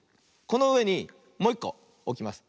このうえにもういっこおきます。